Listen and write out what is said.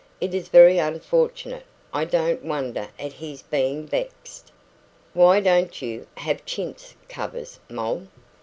It is very unfortunate. I don't wonder at his being vexed." "Why don't you have chintz covers, Moll?"